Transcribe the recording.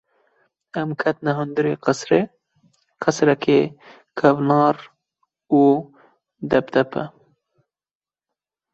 Em ketin hundirê qesirê; qesirekê kevnare û bi depdepe.